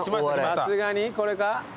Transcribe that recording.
さすがにこれか？